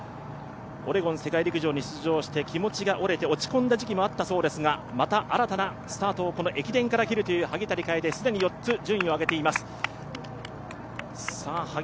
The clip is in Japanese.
オレゴン世界陸上に出場して気持ちが折れて落ち込んだ時期もあったそうですが、また新たなスタートをこの駅伝から切るという萩谷楓既に４つ順位を上げています。